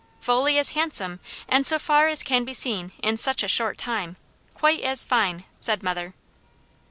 "Fully as handsome, and so far as can be seen in such a short time, quite as fine," said mother.